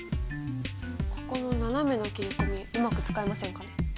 ここの斜めの切り込みうまく使えませんかね。